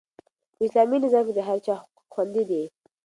په اسلامي نظام کې د هر چا حقوق خوندي دي.